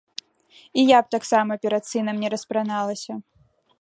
І я б таксама перад сынам не распраналася.